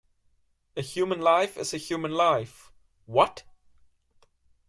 A human life is a human life, what?